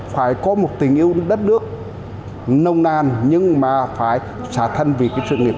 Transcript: phải có một tình yêu đất nước nông nan nhưng mà phải trả thân vì cái chuyện nghiệp